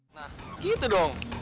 nah gitu dong